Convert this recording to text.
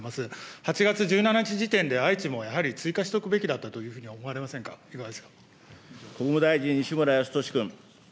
８月１７日時点で、愛知もやはり追加しておくべきだったと思われ国務大臣、西村康稔君。